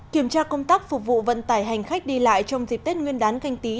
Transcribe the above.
kiểm tra công tác phục vụ vận tải hành khách đi lại trong dịp tết nguyên đán canh tí